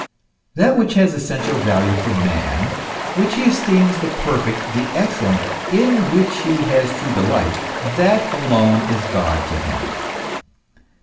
That which has essential value for man, which he esteems the perfect, the excellent, in which he has true delight, that alone is God to him.